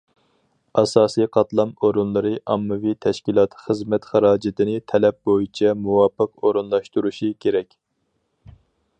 ئاساسىي قاتلام ئورۇنلىرى ئاممىۋى تەشكىلات خىزمەت خىراجىتىنى تەلەپ بويىچە مۇۋاپىق ئورۇنلاشتۇرۇشى كېرەك.